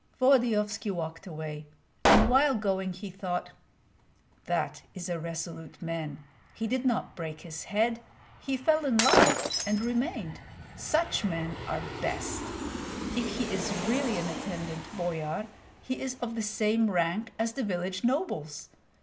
Volodyovski walked away, and while going he thought: "That is a resolute man. He did not break his head; he fell in love and remained. Such men are best. If he is really an attendant boyar, he is of the same rank as the village nobles.